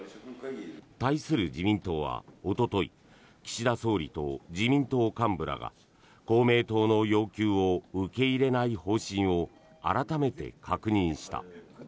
対する自民党はおととい岸田総理と自民党幹部らが公明党の要求を受け入れない方針を改めて確認した。